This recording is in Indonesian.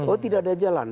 oh tidak ada jalan